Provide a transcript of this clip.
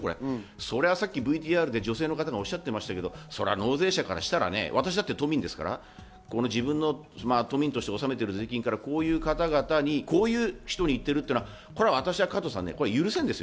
それはさっきＶＴＲで女性の方がおっしゃってましたけど、それは納税者からしたら、私だって都民ですから、都民として納めている税金からこういう方々にこういう人にいってるっていうのは、私は加藤さん、許せんですよ。